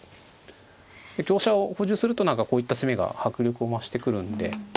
香車を補充するとこういった攻めが迫力を増してくるんで。